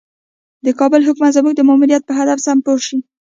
د کابل حکومت زموږ د ماموریت په هدف سم پوه شي.